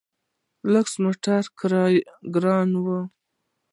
لوکس موټر ګران وي.